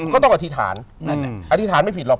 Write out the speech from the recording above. ก็ต้องอธิษฐานอธิษฐานไม่ผิดหรอก